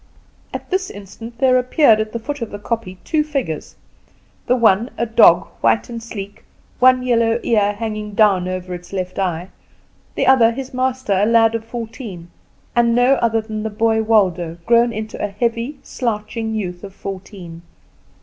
At this instant there appeared at the foot of the kopje two figures the one, a dog, white and sleek, one yellow ear hanging down over his left eye; the other, his master, a lad of fourteen, and no other than the boy Waldo, grown into a heavy, slouching youth of fourteen.